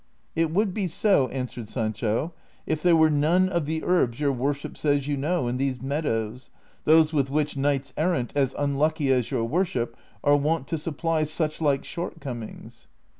" It would be so," answered Sancho, " if there were none of the herbs your worship says you know in these meadows, those with which knights errant as unlucky as your worship are wont to supply such like shortcomings."